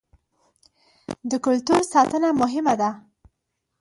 د کلتور ساتنه مهمه ده.